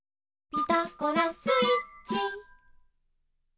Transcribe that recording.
「ピタゴラスイッチ」